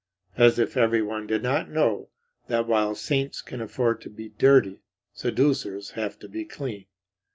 As if everyone did not know that while saints can afford to be dirty, seducers have to be clean.